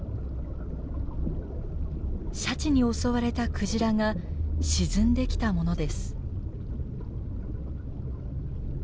シャチに襲われたクジラが沈んできたものです。